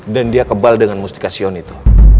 dan dia kebal dengan mustika sion itu